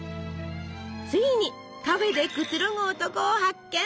ついにカフェでくつろぐ男を発見！